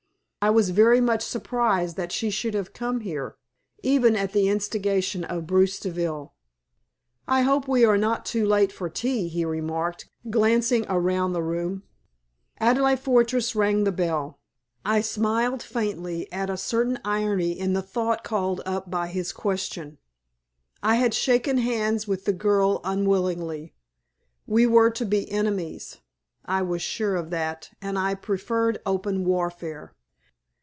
I was very much surprised that she should have come here, even at the instigation of Bruce Deville. "I hope we are not too late for tea," he remarked, glancing around the room. Adelaide Fortress rang the bell. I smiled faintly at a certain irony in the thought called up by his question. I had shaken hands with the girl unwillingly. We were to be enemies. I was sure of that, and I preferred open warfare.